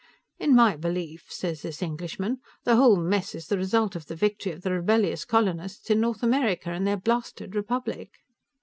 "In my belief," says this Englishman, "the whole mess is the result of the victory of the rebellious colonists in North America, and their blasted republic."